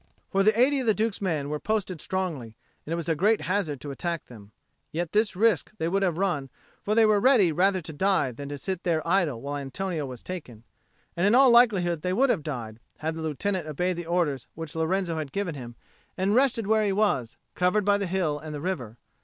For the eighty of the Duke's men were posted strongly, and it was a great hazard to attack them. Yet this risk they would have run, for they were ready rather to die than to sit there idle while Antonio was taken; and in all likelihood they would have died, had the Lieutenant obeyed the orders which Lorenzo had given him and rested where he was, covered by the hill and the river.